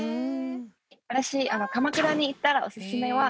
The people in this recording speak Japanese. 私鎌倉に行ったらオススメは。